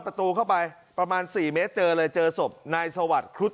ประตูเข้าไปประมาณ๔เมตรเจอเลยเจอศพนายสวัสดิ์ครุฑ